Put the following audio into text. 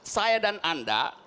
saya dan anda